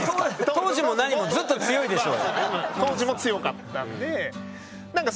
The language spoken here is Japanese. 当時もなにもずっと強いでしょ。